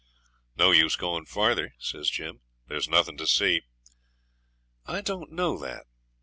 'No use going farther,' says Jim; 'there's nothing to see.' 'I don't know that.